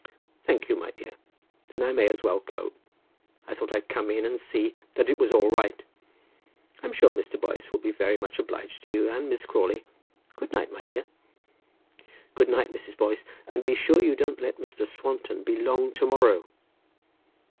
"Thank you, my dear. Then I may as well go. I thought I'd come in and see that it was all right. I'm sure Mr. Boyce will be very much obliged to you and Miss Crawley. Good night, my dear." "Good night, Mrs. Boyce; and be sure you don't let Mr. Swanton be long to morrow."